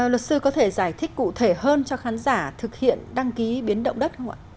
luật sư có thể giải thích cụ thể hơn cho khán giả thực hiện đăng ký biến động đất không ạ